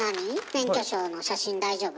免許証の写真大丈夫？